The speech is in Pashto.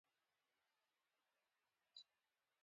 پښتانه اريايان دي.